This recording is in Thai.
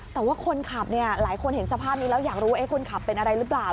แต่ว่าคนขับเนี่ยหลายคนเห็นสภาพนี้แล้วอยากรู้คนขับเป็นอะไรหรือเปล่า